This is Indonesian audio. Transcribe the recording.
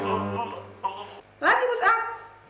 lagi push up